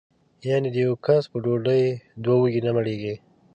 یعنې د یوه کس په ډوډۍ دوه وږي نه مړېږي.